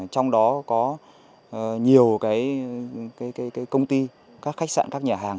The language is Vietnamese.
trong đó có nhiều công ty các khách sạn các nhà hàng